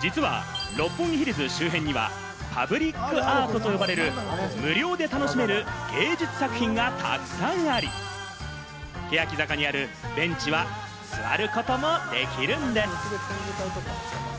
実は六本木ヒルズ周辺にはパブリックアートと呼ばれる、無料で楽しめる芸術作品がたくさんあり、けやき坂にあるベンチは座ることもできるんです。